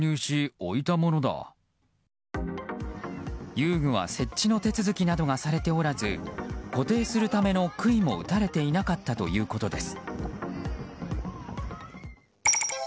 遊具は設置の手続きなどがされておらず固定するための杭も打たれていなかったということです。